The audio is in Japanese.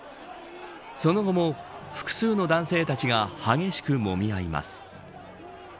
その後も、複数の男性たちが激しくもみ合います。